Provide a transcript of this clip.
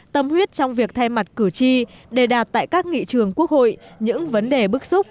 tâm huyết trong việc thay mặt cử tri để đạt tại các nghị trường quốc hội những vấn đề bức xúc